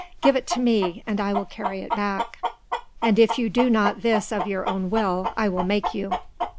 Give it to me, and I will carry it back; and if you do not this of your own will, I will make you."